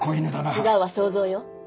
違うわ想像よ。